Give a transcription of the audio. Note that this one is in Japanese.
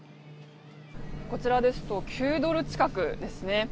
こちらですと９ドル近くですね。